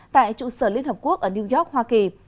tại trụ sở liên hợp quốc ở new york hoa kỳ